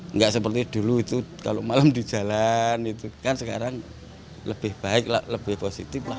nggak seperti dulu itu kalau malam di jalan itu kan sekarang lebih baik lah lebih positif lah